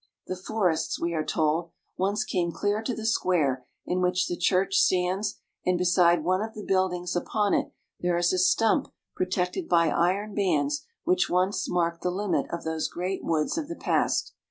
The forests, we are told, once came clear to the square in which the church stands, and beside one of the buildings upon it there is a stump pro tected by iron bands which once marked the limit of those great woods of the past.